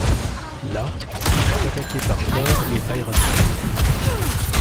Là, il fut attaqué par Thor et Iron Man.